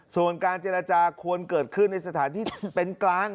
ส่วนการเจรจาควรเกิดขึ้นในสถานที่เป็นกลาง